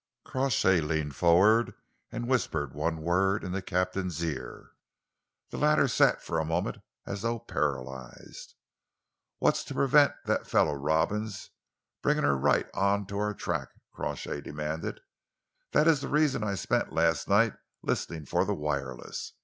Crawshay leaned forward and whispered one word in the captain's ear. The latter sat for a moment as though paralysed. "What's to prevent that fellow Robins bringing her right on to our track?" Crawshay demanded. "That is the reason I spent last night listening for the wireless.